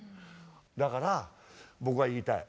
だから僕は言いたい。